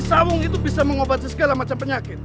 kisah awung itu bisa mengobati segala macam penyakit